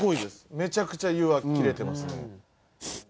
めちゃくちゃ湯は切れてますね。